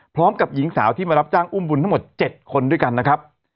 พร้อมกับหญิงสาวที่มารับจ้างอุ้มบุญทั้งหมด๗คนด้วยกันนะครับ